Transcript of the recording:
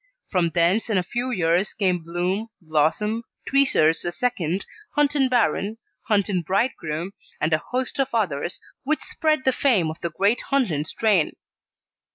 From thence in a few years came Bloom, Blossom, Tweezers II., Hunton Baron, Hunton Bridegroom, and a host of others, which spread the fame of the great Hunton strain.